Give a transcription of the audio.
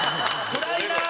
暗いなあ！